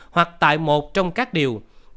hoặc tại một trong các điều